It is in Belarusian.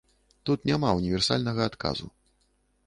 Тут няма універсальнага адказу.